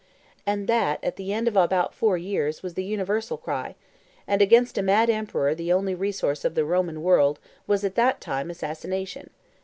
And that, at the end of about four years, was the universal cry: and against a mad emperor the only resource of the Roman world was at that time assassination.